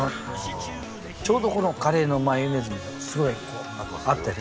ちょうどこのカレーのマヨネーズにもすごいこう合ってる。